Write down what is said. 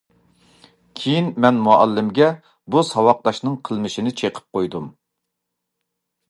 كېيىن مەن مۇئەللىمگە بۇ ساۋاقداشنىڭ قىلمىشىنى چېقىپ قويدۇم.